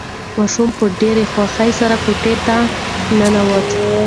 ماشوم په ډېرې خوښۍ سره کوټې ته ننوت.